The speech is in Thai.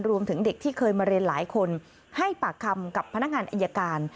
รวมถึงเด็กที่เคยมาเรียนหลายคนให้ปากคำกับพนักงานอายการ